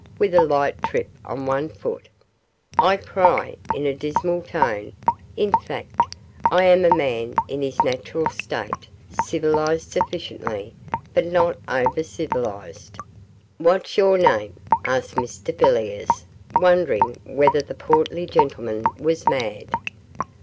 with a light trip on one foot. 'I cry,' in a dismal tone. 'In fact, I am a man in his natural state civilized sufficiently, but not over civilized.' 'What's your name?' asked Mr Villiers, wondering whether the portly gentleman was mad.